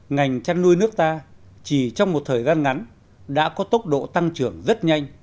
ngành chăn nuôi nước ta chỉ trong một thời gian ngắn đã có tốc độ tăng trưởng rất nhanh